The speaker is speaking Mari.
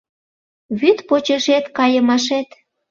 Вӱд почешет кайымашет.